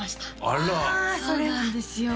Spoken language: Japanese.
あらそうなんですよ